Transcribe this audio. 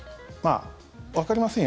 わかりませんよ